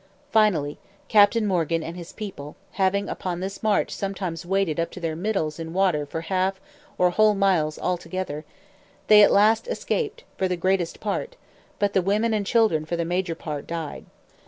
Finally, Captain Morgan and his people, having upon this march sometimes waded up to their middles in water for half, or whole miles together, they at last escaped, for the greatest part; but the women and children for the major part died.